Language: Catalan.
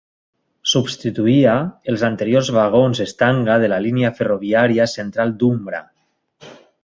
Substituïa els anteriors vagons Stanga de la línia ferroviària central d'Umbra.